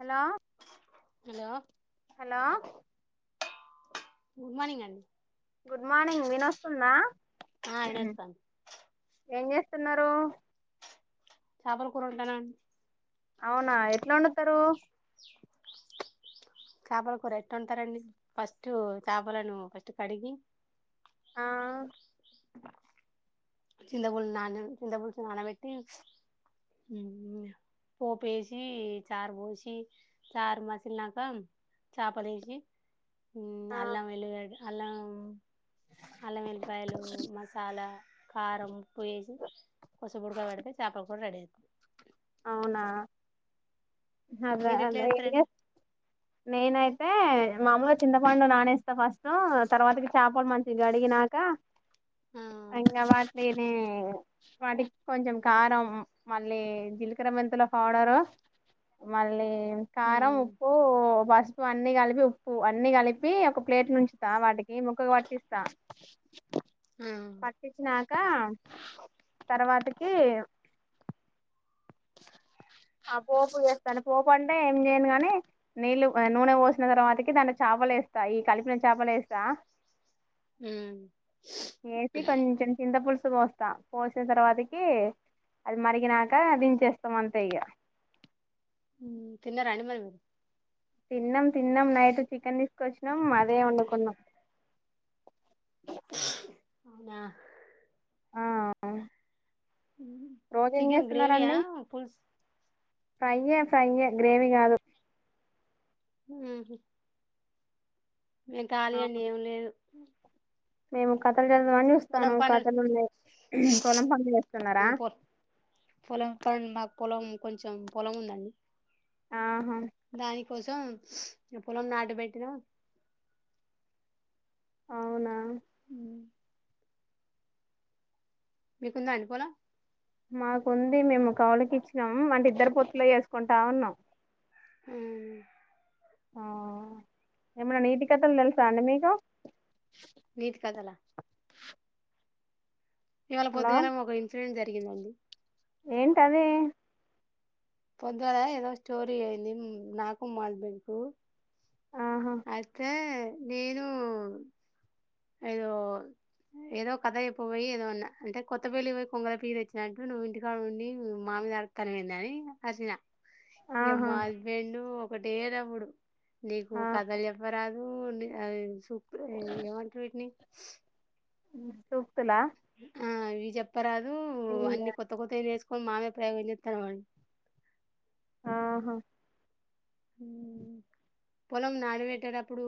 Hello hello hello good morning అండి good morning వినోస్తుందా ఆ వినొస్తాంది ఏం చేస్ చేస్తున్నారు చాపల కూర వండ అండి అవునా ఎట్లా వండుతారు చేపల కూర ఎట్ వండుతారండి ఫస్ట్ చేపలను ఫస్ట్ కడిగి ఆ చింతపులుసు నానా చింతపులుసు నానబెట్టి పోపు వేసి చారు పోసి చారు మసిలినాక చాపలు వేసి ఊ అల్లం వెల్లు గడ్డ అలా అల్లం ఎల్లిపాయలు మసాలా కారం ఉప్పు వేసి కాసేపు ఉడకబెడితే చేపల కూడా రెడీ అవుతుంది అవునా అదా మీరు ఎట్లా అది ఏం చేస్తారండి చేస్ నేను అయితే అంటే మామూలుగా చింతపండు నాణేస్తా ఫస్ట్ తర్వాతకి చేపలు మంచి గడిగినాక ఆ ఇంకా వాటి లేదు వాటికి కొంచెం కారం మళ్ళీ జీలకర్ర మెంతుల పౌడరు మళ్లీ కారం ఉమ్ ఉప్పు బ పసుపు అన్ని కలిపి ఉప్పు అన్ని కలిపి ఒక ప్లేట్ మంచుత వాటికి ముక్కకు పట్టి ఇస్తా ఆ పటిచ్ నా ఇకా తర్వాతకి ఆ పోపు చేస్తాను పోపు అంటే ఏం చేయను కానీ నీళ్ళు నూనె పోసిన తర్వాతకి దాని చేపలు వేస్తా ఈ కలిపిన చేపలు వేస్తా ఉమ్ ఏసి కొంచెం చింత పులుసు పోస్త పోసిన తర్వాతకి అది మరిగినక చేస్తాం అంతే ఇగ తిన్నరా అండి మరి తిన్నాం తిన్నాం నైట్ చికెన్ తీసుకొచ్చినాం అదే వండుకున్నాం ఆ ఆ ఆ చికెన్ గ్రేవియా పుల్స్ ఫ్రైయే ఫ్రైయే గ్రేవీ కాదు హ్మ్ మేం ఖాళీ అండి ఏం లేదు మేము కథలు పొలం చూస్తాను పనులు కథలు ఉన్నాయి పొలం పనులు చేస్తున్నారా పొ పొలం పని మాకు పొలం కొంచెం పొలం ఉందండి ఆ దానికి కోసం పొలం నాటు పెట్టిన అవునా మీకుందా అండి పొలం మాకుంది మేము కౌళకి ఇచ్చినాం అంటే ఇద్దరు పొత్తులో వేసుకుంటా ఉన్నాం హ్మ్ ఆ ఏమన్నా నీతి కథలు తెలుసా అండి మీకు నీతి కథలా ఇవాళ హలో పొద్దుగాలమో ఒక ఇన్సిడెంట్ జరిగింది [unintelligible] అండి ఏంటది పొద్దుగల ఏదో స్టోరీ అయింది మ్మ్ నాకు మా హస్బెండ్ కు ఆహా అయితే నేను ఏదో ఏదో కథ చెప్ప పోయి ఏదోన్నా అంటే కొత్త పెళ్లి పోయి కొంగల పీరు తెచ్చినట్టు నువ్వు ఇంటికా ఉండి మామీద అరుత్తన్నావు ఏంది అని అరిసిన ఇగ ఆహా హస్బెండు ఒకటేటప్పుడు నీకు ఆ కథలు చెప్పరాదు నీ ఆ సూప్ ఏమంట ట్ వీటిని మ్మ్ సూక్తుల ఆ ఇవి చెప్ పరాదు అన్ని కొత్త కొత్తవి నేర్చ పో మా మీద ప్రయోగం చెత్తన్నావ్ అన్ అవు మ్మ్ పొలం నాడిబెట్టేటప్పుడు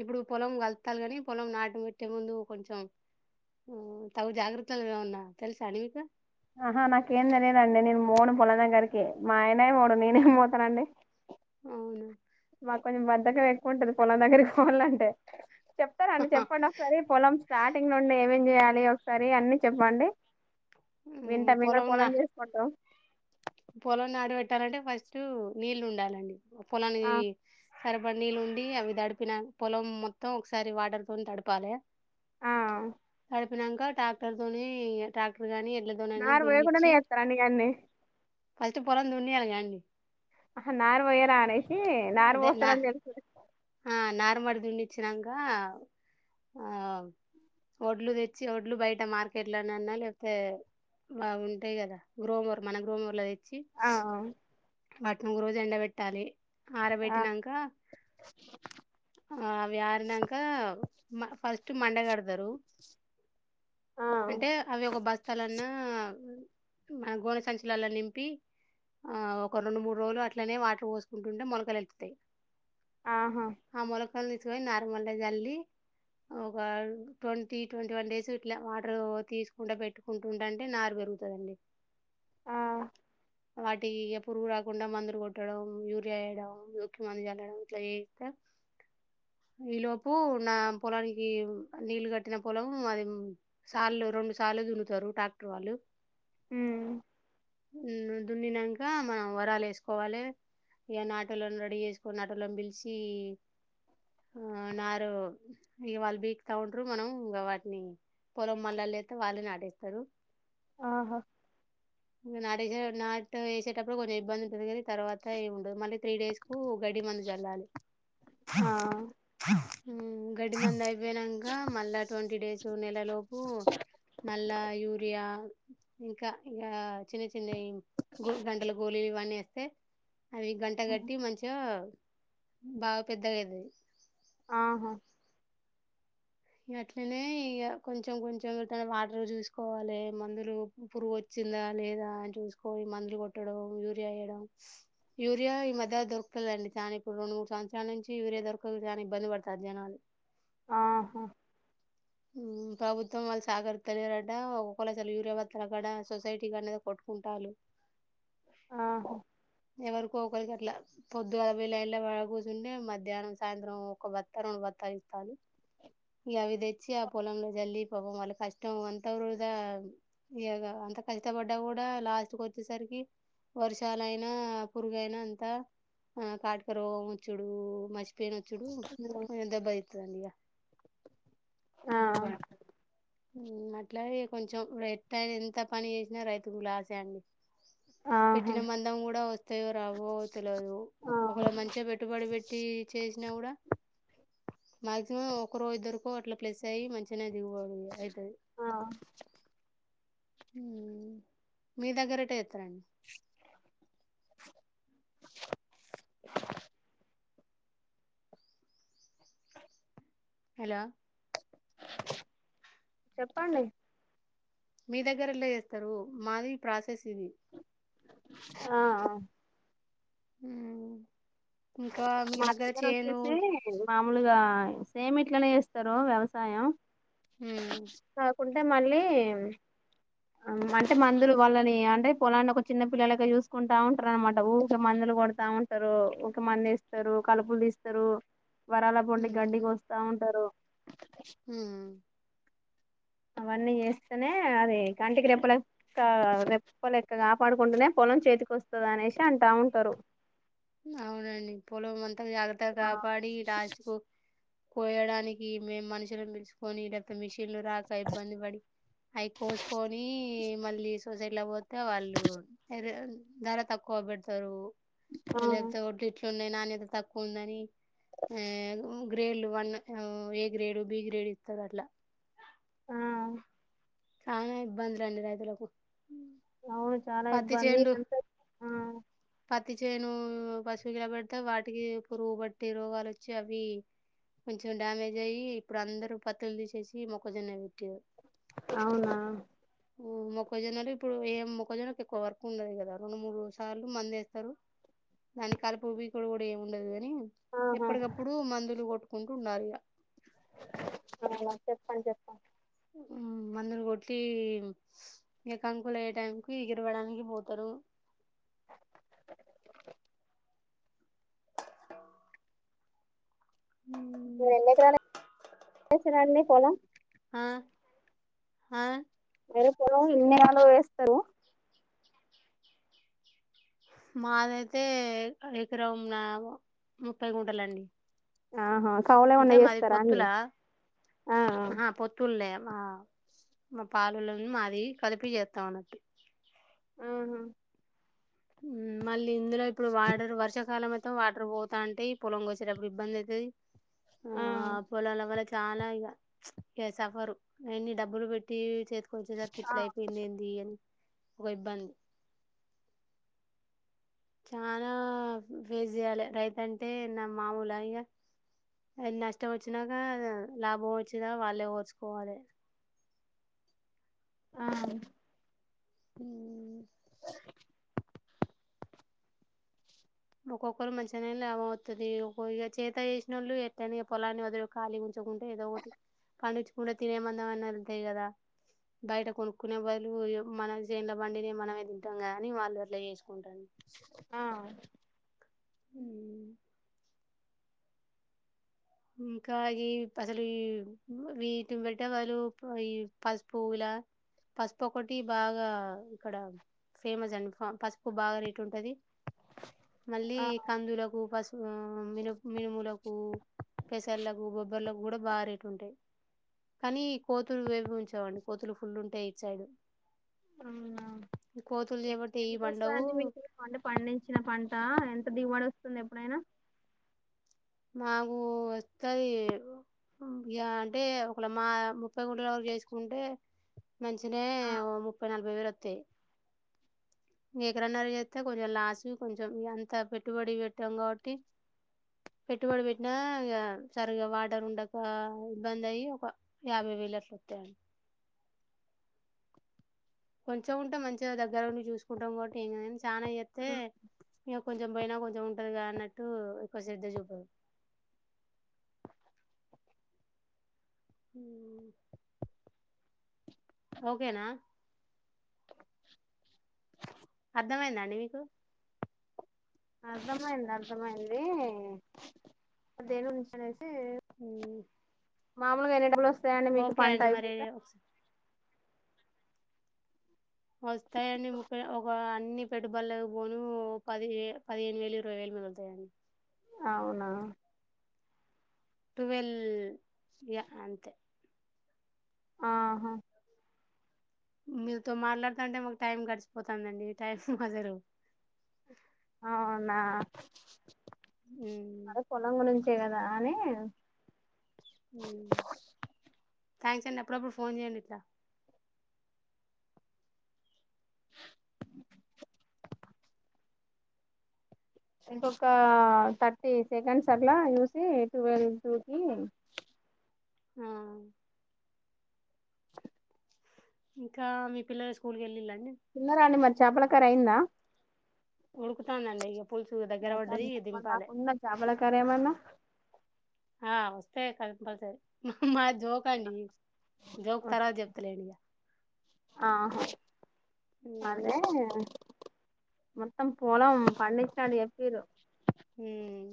ఇప్పుడు పొలం కలుత్తల్లు కాని పొలం నాటు పెట్టే ముందు కొంచెం తగు జాగ్రత్తలు ఏమన్నా తెలుసా అని మీకు ఆహా నాకేం తెలియదడి నేను పోను పొలం దగ్గరికి మా ఆయనే పోడు నేనేం పోతానండి అవున మాకు కొంచెం బద్దకం ఎక్కువ ఉంటది పొలం దగ్గరికి పోలంటే చెప్తారండి చెప్పన ఒకసారి పొలం స్టార్టింగ్ నుండి ఏమేం చేయాలి ఒకసారి అన్ని చెప్పండి హ్మ్. వింటా మేము ఇంగ నా పొలం చేసుకుంటాం పొలం నాటి పెట్టాలంటే ఫస్ట్ నీళ్లు ఉండాలండి ఆ పొలానివీ సరిపడి నీళ్ళు ఉండి అవి తడిపిన పొలం మొత్తం ఒకసరి వాటర్ తో తడపాలే ఆ చెప్పినాక టక్టర్ తోని టక్టర్ గాని ఎడ్లతోనైనా నాలు దున్నిచ్చి వయకునే ఇస్తరా నీ అన్నీ ఫస్ట్ పొలం దున్నియాలాగా అండి ఆహ నార్ పోయ రానేసి నారు పోస్తారని తెలుసు నార్మడి దుచ్చినంక ఆ వడ్లు తెచ్చి వడ్లు బయట మార్కెట్ లోన్నా లేకపోతే అవి ఉంటాయి కద గ్రోమర్ మన గ్రోర్ చ్చి ఆ పట్నాగు రోజు ఎండ బేట్టాలి ఆ ఆరబెట్టినంక అవి ఆరినంక ఫస్ట్ టి మండగడతరు ఆ అంటే అవి ఒక బస్తాలన్నా మన గోన సంచలలో నింపి ఆ ఒక రెండు మూడు రోజులు అట్లనే వాటర్ పోసుకుంటుంటే మొలకల్లేళ్తాయి ఆహా ఆ మొలక్ క్కలు తీసుకొని నార్మల్గా జల్లి ఒక ట్వంటీ, ట్వంటీ వన్ డేస్ ఇట్లా వాటర్ తీసుకుండా పెట్టుకుంటుంట అంటే నారు పెరుగుతదండి. ఆ వాటికి ఎప్ పురుగు రాకుండా మందులు కొట్టడం యూరియా వేయడం. నొక్కి మందు జల్లడం ఇట్లా చేస్తే, ఈ లోపు నా పొలానికి నీళ్లు కట్టిన పొలం అది. సార్లు రెండు సార్లు దున్నతారు ట్రాక్టర్ వాళ్ళు హ్మ్ మ్మ్ దున్నినంకా మ్ మనం వరాలు వేసుకోవాలి. ఇక నాటోలను రెడీ చేసుకొన్ నాటోలను పిలిచి, ఆ నారు ఇ వాళ్ళు బీక్తా ఉంటారు. మనం ఇంకా వాటిని పొలం మల్లల్లో లేత్తే వాళ్ళే నాటిస్తారు. ఆహా మ్ నారిజ నాటు వేసేటప్పుడు కొంచెం ఇబ్బంది వుంటది గానీ తర్వాత ఏ ఉండదు మళ్ళీ త్రీ డేస్ కు గడ్డి మందు జల్లాలి. ఆ మ్మ్ గడ్డి మందు అయిపేయినాంక మళ్ళా ట్వంటీ డేస్ నెలలోపు మళ్ళా అ యూరియా ఇంకా ఇగ చిన్న చిన్నయి గో గంటల గోళీలు ఇవన్నీ వేస్ సే అవి గంట కట్టి మంచిగ బాగా పెద్దగైతది ఆహా అట్లనే ఇగ కొంచెం కొంచెం త వాటర్ జూసుకోవాలె మందులు పురుగు వచ్చిందా లేదా అని చూసుకోని మందులు కొట్టడం యూరియా వేయడం. యూరియా ఈ మధ్య దొరుకతలేండి చాలా ఇప్పుడు రెండు మూడు సంవత్సరాల నుంచి యూరియా దొరకదు చానా ఇబ్బంది పడుతారు జనాలు. అహా మ్మ్ ప్రభుత్వం వాళ్ సాగరిత్తలేదంట ఒక్కొళ్ళు అసలు యూరియా భత్తాల్ కాడ సొసైటీ గనేది కొట్టుకుంటాళ్ళు ఆహా ఎవరికో ఒదికట్లా పొద్దుగాల బోయి లైన్ లోవోయి ఆడ కూస్సుంటే మధ్యాహ్నం సాయంత్రం ఒక భత్త, రెండు భత్తాలు ఇత్తాల్లు. ఇగ అవి దె చ్చి ఆ పొలంలో జల్లి పాపం వాళ్ళ కష్టం అంత వృధా ఇగ అంత కష్టపడ్డా కూడా లాస్టుకు వచ్చేసరికి వర్షాలయినా, పురుగు అయినా అంత ఆ కాటక రోగ మొచ్చుడు మచ్ పెయినొచ్చుడు కొంచెం దెబ్బదీత్తదండి ఇగ ఆ మ్మ్ అట్లాగే కొంచెం రెట్టై ఎంత పని ఏసినా రైతుకు లాసే అండి ఆహా పెట్టిన మందం కూడా వస్తయో రావో తెలవదు ఆ ఒకవేళ మంచిగ పెట్టుబడి పెట్టి చేస్ నగూడ మాగ్జిమం ఒకరో ఇద్దరికో అట్లా ప్లస్ అయ్ మంచి గనె దిగువడి ఎ అయితది ఆ మీ దగ్గర ఎట్ట యేత్తరండి [unintelligible] హలో చెప్పండి మీ దగ్గ [unintelligible] జేస్తరు మాది ప్రాసెస్ ఇది ఆ హా మ్మ్ మా దగ్గర వచ్చేసి మాములుగా సేమ్ ఇట్లనే ఎస్తరు వ్యవసాయం హ్మ్ కుంటే మళ్ళీ అమ్ అంటే మందులు వాళ్ళని అంటే పొలాన్ని ఒక చిన్న పిల్లలెక చూసుకుంటా ఉంటారనమాట, ఊకే మందులు కొడుతా ఉంటరు మ్ ఇక మందేస్తరు కలుపుల్ దీస్తరు వరాల పొండి గండిగోస్తా ఉ తరు హ్మ్ అవన్నీ చేస్తేనే అది కంటికి రెప్పలెక్ క రెప్పలెక్క కాపాడుకుంటూనే పొలం చేతికి వస్తది అనేషి అంటా ఉంటరు. అవునండి పొలం అం త జాగ్రత్తగా ఆ కాపాడి లాస్ట్ కు కోయడానికి మేము మనుషులు పిల్చుకొని డెప్త్ మిష్ కీళ్ళు రాక ఇబ్బంది పడి ఐ కోసుకొని మళ్ళీ సొసైట్ ఇట్లా పోతే వాళ్ళు ధరమ్ ధర తక్కువ బెడ్తారు. నేన్ లేపితే ఒడ్లు ఇట్లున్నాయన్ నాణ్యత తక్కువ ఉందని, ఆ మ్ గ్రేడ్లు వన్ ఆ ఏ గ్రేడ్, బి గ్రేడ్ ఇస్తారు. అట్లా ఆ చానా ఇబ్బందులండి రైతులకు అవును చాలా పత్తి ఇబ్బంది దినంతక్ ఆ త్తి చేను పశువుకిల పెడితే, వాటికి పురుగు బట్టి రోగాలు వచ్చి, అవి కొంచెం డ్యామేజ్ అయ్యి, ఇప్పుడు అందరు పత్తులు తీసేసి, మొక్కజొన్న పెట్టియార్ అవునా మొక్కజొన్నలు ఇప్పుడు ఏ మొక్కజొన్న ఎక్కువ వర్క్ ఉండదు కదా రెండు మూడు సార్లు మందేస్తరు, దాని కలిపు బికుడు కూడ ఏమి ఉండదుగా నీ ఆహా ఎప్పటికప్పుడు మందులు కొట్ కుంటుండారు ఇగ అవునా చెప్పండి చెప్పండ్ మ్మ్ మందులు కొట్టి ఏ కంకులు అయ్యే టైంకి ఎగిరవడానికి పోతరు. మీరు ఎన్ని ఎకరాలు వేసిరండి పొలం ఆ హా వేరే పొలంలో ఇన్నిరాలో వేస్తరు మాదయితే ఎకరం న్న ముప్పై గుంటలండి ఆహా అంటే కౌలేమన్నా మాది చేస్తారా అండి పొత్తులా ఆ ఆహా పొత్తుల్లే ఆ మా పాలొల్లది మాది కలిపి చేత్తాం అన్నట్టు ఆ మళ్ళీ ఇందులో ఇప్పుడు వాడరు వర్షకాలం అ త్తే వాటర్ పోతాంటయి పొలం కోసేటప్పుడు ఇబ్బంది అయితది ఆ పోలాల వాలే త్ చాలా ఇగ ప్చ్ ఇ సఫర్ నేయిన్ని డబ్బులు పెట్టి చేత్ కొంచెేసరికి ఆ ఇట్లా అయిపోయింది ఏంది అని ఒక ఇబ్బంది చానా ఫేస్ చేయాలె రైతు అంటే న్న మామూలు ఇగ నష్టం వచ్చినాక లాభం వచ్చినా వాళ్ళే వోర్చుకోవాలె. ఆ హ్మ్మ్ ఒక్కొక్కరు మంచిగా లాభం అవుతుది చేత చేసినోళ్ళు ఎ పొలాన్ని వద ఉంచుకుంటే ఏదో ఒకటి పండించుకుంటడా తినే మందం అని వెతాయి కదా బయట కొనుక్కునే బదులు మన చెంలో బండినే మనమే తింటాం గాని వాళ్ళు అట్లా చేసుకో ఆ హ్మ్ ఇంకా ఈ అసలు ఈ వీటిని బట్టే బదులు ఈ పసుపు ఇలా పసుపు ఒకటి బాగా ఇక్కడ ఫేమస్ అండి పసుపు బాగా రేటు ఉంటది మళ్ళీ ఆ కందులకు పస్ ఆ మిన మినుములకు పెసర్లకు బొబ్బర్లకు కూడ బాగా రేటు ఉంటాయి కానీ కోతులు వేవి ఉంచావండి కోతులు ఫుల్ ఉంటాయి ఈ సైడు అవున కోతులు చేబట్టి ఏవి ఎంత పండవు వస్తుంది మీకు పంట పండించిన పంట ఎంత దిగుబడి వస్తుంది ఎప్పుడైనా మాకు వస్తది ఇగ అంటే ఒకళ మా ముప్పై ముఠాల వరకు చేసుకుంటే మంచినీ ఆ ఓ ముప్పై నలభై వేల్ తే అక్రేనర్ర చేస్తే కొంచెం లాస్ కొంచెం అంత పెట్టుబడి పెట్టాం కాబట్టి పెట్టుబడి పెట్టినా ఇగ సరిగ్గా వాటర్ ఉండక ఇబ్బంది అయ్యి ఒక యాభై వేలు అట్ల వత్తయండి కొంచం ఉంటే మంచిగ దగ్గర ఉండి చూసుకుంటాం కాబట్టి ఏం చాణ చేతే ఇగ కొంచెం పోయిన కొంచం ఉం దిగా అన్నట్టు ఎక్కువ శ్రద్ధ చూపదు హ్మ్ ఓకేనా అర్థమయిందా అండి మీకు అర్థమయింది అర్థమయింది దేని [unintelligible] హ్మ్. మాములుగా ఎన్ని డబ్బులు వస్ వే అండి మీకు ఓకే పంట అండి మరి అయిపోయిందా వస్తాయండి ముప్పై ఒక అన్ని పెట్టుబడుల పోను పదిహే పదిహేను వేలు ఇరవై వేలు మిగులుతాయండి అవునా ట్వెల్వ్ యా అంతే ఆహా మీతో మాట్లాడుతాంటే మాకు టైం గడిచిపోతాందండి టైం అసలు అవునా హ్మ్. మరీ పొలం గురించి తినవా అని థ్యాంక్స్ అండి అప్పుడప్పుడు ఫోన్ చేయండి ఇట్లా ఇంకొక థర్టీ సెకండ్స్ అట్లా చూసి ట్వెల్వ్ [unintelligible] కి హ్మ్ ఇంకా మీ పిల్లల స్కూల్ కి వెళ్ళిళండి తిన్నారా అండి మరీ చేపల కర్రీ అయిందా ఉడుకుతాందండి ఇగ పులుసు దగ్గర పడ్డది దింపాలె. చాపల కర్రీ ఏం అయినా ఆ వస్తాయి కంపల్సరి మా మా జోక అండి జోక్ తర్వాత చెప్తలేండి ఇగ ఆహా అందే మొత్తం పోలం పండించిన్నట్టు చెప్పిరు మ్మ్